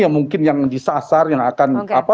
yang mungkin yang disasar yang akan apa